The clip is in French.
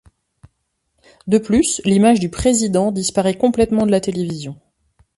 De plus l'image du président disparait complètement de la télévision.